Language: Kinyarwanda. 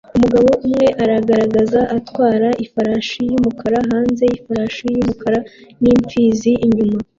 Umugabo umwe aragaragara atwara ifarashi yumukara hamwe nifarasi yumukara nimpfizi inyuma